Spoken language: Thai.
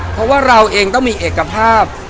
เพราะว่าเราเองต้องมีเอกภาพ